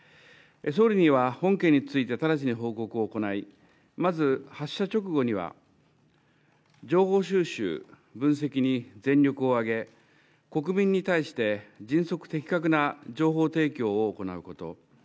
総理には本件について直ちに報告を行いまず、発射直後には情報収集、分析に全力を挙げ国民に対して迅速的確な情報提供を行うこと